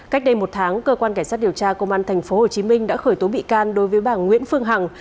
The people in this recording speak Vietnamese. cách đây một tháng cơ quan cảnh sát điều tra công an tp hcm đã khởi tố bị can đối với bà nguyễn phương hằng